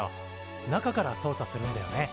中から操作するんだよね。